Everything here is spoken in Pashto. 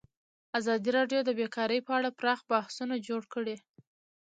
ازادي راډیو د بیکاري په اړه پراخ بحثونه جوړ کړي.